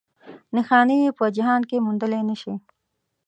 نښانې یې په جهان کې موندلی نه شي.